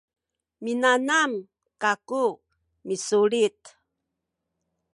minanam kaku misulit